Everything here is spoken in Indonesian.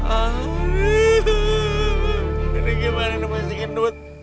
aduh ini gimana namanya si gendut